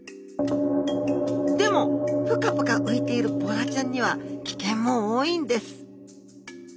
でもプカプカ浮いているボラちゃんには危険も多いんです